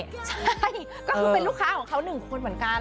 ใช่ก็คือเป็นลูกค้าของเขาหนึ่งคนเหมือนกัน